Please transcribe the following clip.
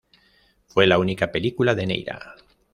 Fue la única película de Neyra.